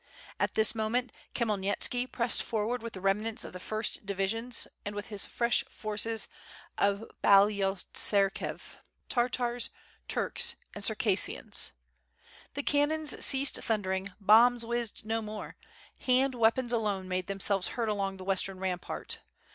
At this moment Khmyelnitski pressed forward with the remnants of the first divisions and with his frech forces of Byalotserkiev; Tartars, Turks, and Circassians. The can nons ceased thundering, bombs whizzed no more, hand wea pons alone made themselves heard along the western ram part.